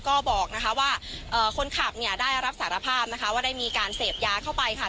ก็บอกนะคะว่าคนขับเนี่ยได้รับสารภาพนะคะว่าได้มีการเสพยาเข้าไปค่ะ